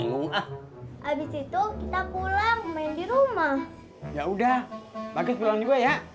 nggak aku pulang dulu ya